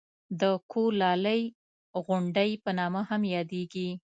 د کولالۍ غونډۍ په نامه هم یادېږي.